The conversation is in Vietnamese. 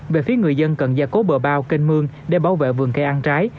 về phía người dân cần gia cố bờ bao kênh mương để bảo vệ vườn cây ăn trái